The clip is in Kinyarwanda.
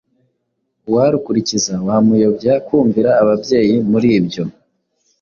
Uwarukurikiza wamuyobya Kumvira ababyeyi muri ibyo